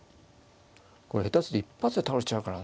これ下手すると一発で倒れちゃうからね。